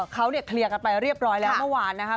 เขาเนี่ยเคลียร์กันไปเรียบร้อยแล้วเมื่อวานนะครับ